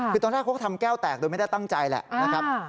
คือตอนแรกเขาก็ทำแก้วแตกโดยไม่ได้ตั้งใจแหละนะครับ